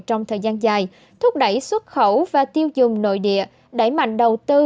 trong thời gian dài thúc đẩy xuất khẩu và tiêu dùng nội địa đẩy mạnh đầu tư